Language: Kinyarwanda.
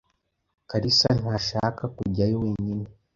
Kalisa ntashaka kujyayo wenyine.